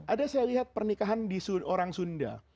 ada saya lihat pernikahan di orang sunda